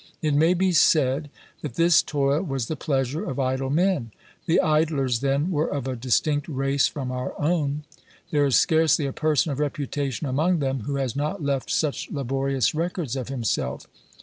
It may be said that this toil was the pleasure of idle men: the idlers then were of a distinct race from our own. There is scarcely a person of reputation among them, who has not left such laborious records of himself.